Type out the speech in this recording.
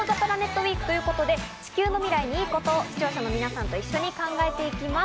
ウィークということで、地球の未来にいいことを視聴者の皆さんと一緒に考えていきます。